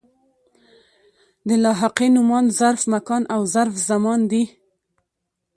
د لاحقې نومان ظرف مکان او ظرف زمان دي.